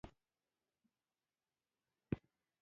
که نه غواړئ چارې مو بې پايلې نه وي.